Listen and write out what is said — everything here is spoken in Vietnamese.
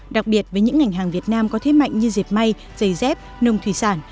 đặc biệt với những ngành hàng việt nam có thế mạnh như dẹp may dây dép nồng thủy sản